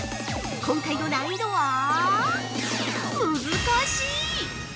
今回の難易度はむずかしい。